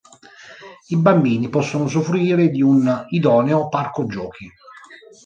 I bambini possono usufruire di un idoneo parco giochi.